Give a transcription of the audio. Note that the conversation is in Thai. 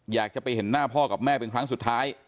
อยากจะไปเห็นหน้าพ่อกับแม่เป็นครั้งสุดท้าย